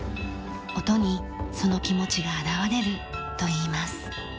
音にその気持ちが表れるといいます。